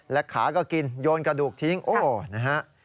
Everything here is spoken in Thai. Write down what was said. ขาก็กินโยนกระดูกทิ้งโอ้นะฮะ